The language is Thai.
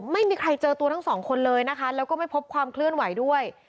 ไม่มีใครเจอตัวทั้งสองคนเลยนะคะแล้วก็ไม่พบความเคลื่อนไหวด้วย